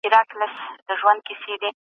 د لابراتوار ریجنټونه څه دي؟